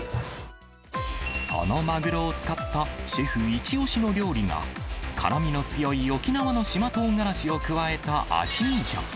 そのマグロを使ったシェフ一押しの料理が、辛みの強い沖縄の島トウガラシを加えたアヒージョ。